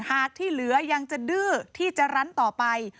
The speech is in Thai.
หากที่เหลือยังจะดื้อที่จะรั้นต่อไป